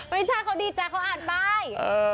ไม่ใช่เขาดีจ้ะเขาอาจป้าย